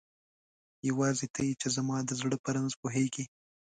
یواځی ته یی چی زما د زړه په رنځ پوهیږی